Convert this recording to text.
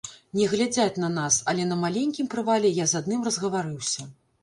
Не глядзяць на нас, але на маленькім прывале я з адным разгаварыўся.